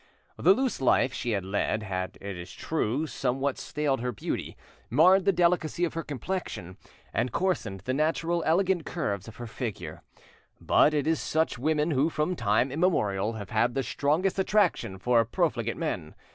The loose life she had led had, it is true, somewhat staled her beauty, marred the delicacy of her complexion, and coarsened the naturally elegant curves of her figure; but it is such women who from time immemorial have had the strongest attraction for profligate men.